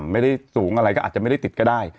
ไม่ได้สูงอะไรก็อาจจะไม่ได้ติดก็ได้